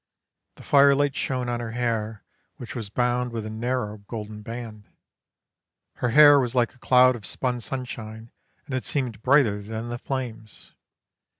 The firelight shone on her hair, which was bound with a narrow golden band. Her hair was like a cloud of spun sunshine, and it seemed brighter than the flames.